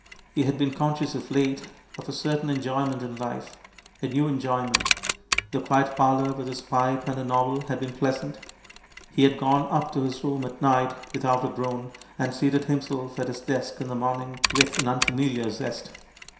He had been conscious of late, of a certain enjoyment in life — a new enjoyment. The quiet parlour, with his pipe, and a novel, had been pleasant. He had gone up to his room at night without a groan, and seated himself at his desk in the morn ing with an unfamiliar zest.